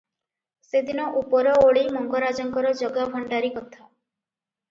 ସେଦିନ ଉପରଓଳି ମଙ୍ଗରାଜଙ୍କର ଜଗା ଭଣ୍ଡାରୀ କଥା ।